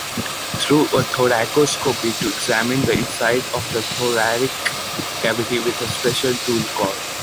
Through a thoracoscopy to examine the inside of the thoracic cavity with a special tool called.